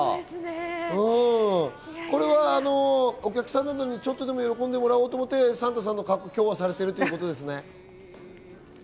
これはお客さんなどにちょっとでも喜んでもらおうと思って、今日はサンタさんの格好をされているということですね？